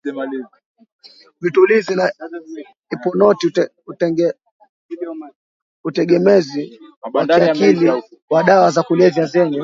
Vitulizi na hiponoti utegemezi wa kiakili wa dawa za kulevya zenye